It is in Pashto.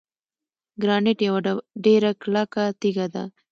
ګرانیټ یوه ډیره کلکه تیږه ده.